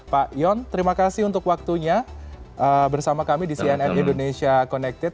pak yon terima kasih untuk waktunya bersama kami di cnn indonesia connected